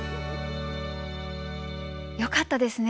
よかったですね。